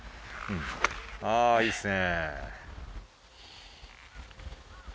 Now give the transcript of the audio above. あぁいいっすね。